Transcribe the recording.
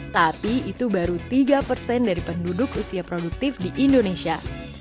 tapi itu baru tiga persen dari penduduk usia produktif di indonesia